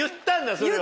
それを。